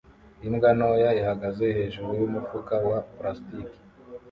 Imbwa ntoya ihagaze hejuru yumufuka wa plastiki